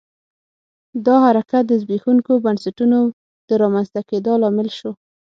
دا حرکت د زبېښونکو بنسټونو د رامنځته کېدا لامل شو.